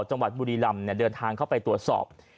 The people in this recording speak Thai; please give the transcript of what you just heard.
จังหวัดบุรีลำเดินทางเข้าไปตรวจสอบ